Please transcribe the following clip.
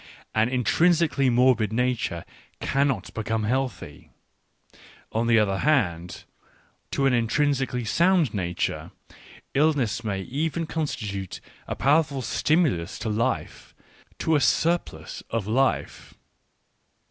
An intrinsically morbid nature cannot become healthy. On the other hand, to an intrinsically sound nature, illness may even con stitute a powerful stimulus to life, to a surplus of life.